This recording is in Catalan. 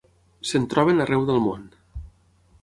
Se'n troben arreu del món.